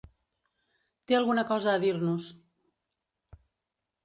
Té alguna cosa a dir-nos.